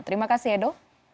terima kasih edo